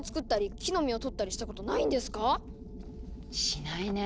しないね。